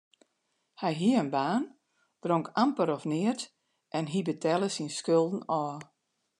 Hy hie in baan, dronk amper of neat en hy betelle syn skulden ôf.